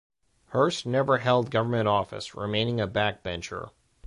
Hurst never held government office, remaining a backbencher.